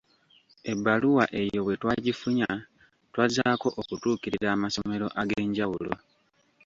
Ebbaluwa eyo bwe twagifunya, twazzaako okutuukirira amasomero ag’enjawulo.